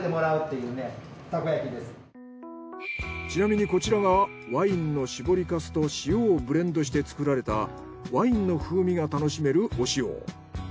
ちなみにこちらがワインの搾り粕と塩をブレンドして作られたワインの風味が楽しめるお塩。